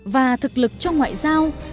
và thực lực trong ngoại giao